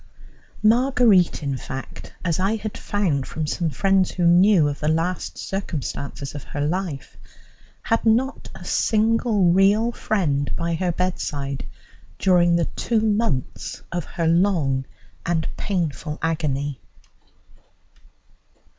Marguerite, in fact, as I had found from some friends who knew of the last circumstances of her life, had not a single real friend by her bedside during the two months of her long and painful agony.